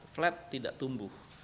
flat tidak tumbuh